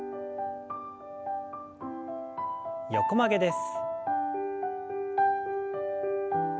横曲げです。